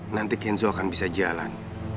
nanti kenzo akan bisa jalan